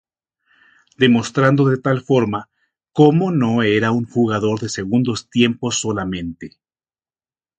Demostrando de tal forma cómo no era un jugador de segundos tiempos solamente.